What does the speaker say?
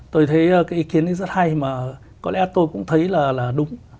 tôi thấy cái ý kiến ấy rất hay mà có lẽ tôi cũng thấy là đúng